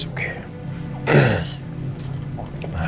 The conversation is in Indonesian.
ya mungkin memang